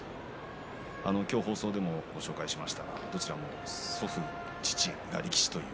今日、放送でもご紹介しましたがどちらも祖父、父が力士という。